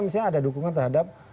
misalnya ada dukungan terhadap